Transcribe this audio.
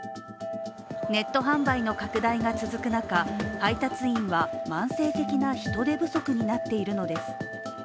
ネット販売の拡大が続く中配達員は慢性的な人手不足になっているのです。